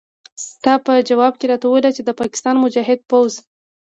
تا په ځواب کې راته وویل چې د پاکستان مجاهد پوځ.